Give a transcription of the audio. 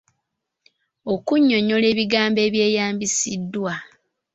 Okunnyonnyola ebigambo ebyeyambisiddwa.